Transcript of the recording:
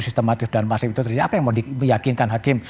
sistematis dan masif itu terjadi apa yang mau diyakinkan hakim